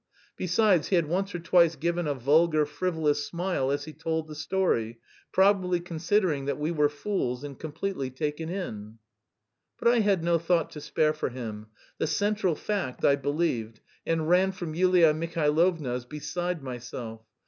Besides, he had once or twice given a vulgar, frivolous smile as he told the story, probably considering that we were fools and completely taken in. But I had no thought to spare for him; the central fact I believed, and ran from Yulia Mihailovna's, beside myself.